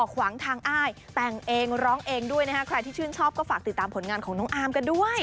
ใครที่ชื่นชอบก็ฝากติดตามผลงานของน้องอาร์มกันด้วย